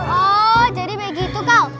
oh jadi begitu kawan